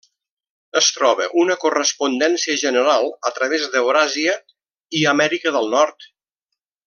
Es troba una correspondència general a través d'Euràsia i Amèrica del Nord.